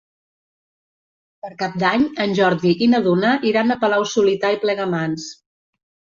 Per Cap d'Any en Jordi i na Duna iran a Palau-solità i Plegamans.